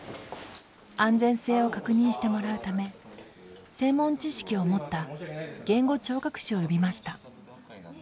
安全性を確認してもらうため専門知識を持った言語聴覚士を呼びました。